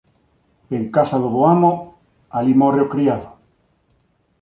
En casa do bo amo alí morre o criado.